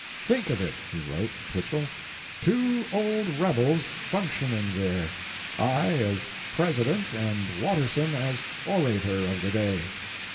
"Think of it!" he wrote Twichell, "two old rebels functioning there; I as president and Watterson as orator of the day.